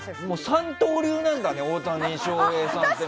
三刀流なんだね大谷翔平さんって。